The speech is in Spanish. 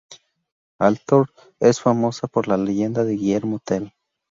Altdorf es famosa por la leyenda de Guillermo Tell.